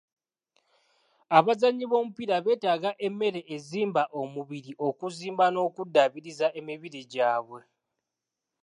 Abazannyi b'omupiira beetaaga emmere ezimba omubiri okuzimba n'okuddaabiriza emibiri gyabwe.